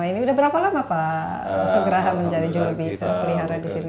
ini udah berapa lama pak sugrahanudin menjadi jurukunjuruk pelihara di sini